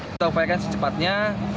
kita upayakan secepatnya